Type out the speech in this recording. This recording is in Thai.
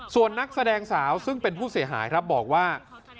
ส่วนนักแสดงสาวซึ่งเป็นผู้เสียหายครับบอกว่า